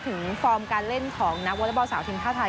ถึงฟอร์มการเล่นของนักวอลเตอร์เบาสาวทีมท่าไทย